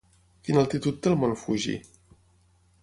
Quina altitud té el mont Fuji?